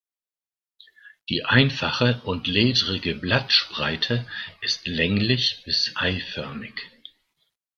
Die einfache und ledrige Blattspreite ist länglich bis eiförmig.